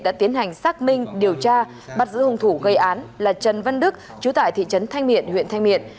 đã tiến hành xác minh điều tra bắt giữ hung thủ gây án là trần văn đức chú tại thị trấn thanh miện huyện thanh miện